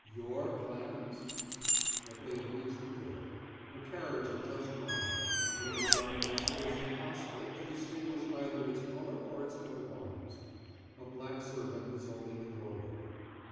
"Your plans?" But they had reached the door. A carriage had just drawn up, but in the darkness it was impossible to distinguish either its color or its coat of arms. A black servant was holding the door open.